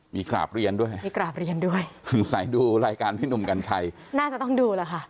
มีกราบเรียนด้วยมีกราบเรียนด้วยสงสัยดูรายการพี่หนุ่มกัญชัยน่าจะต้องดูแหละค่ะ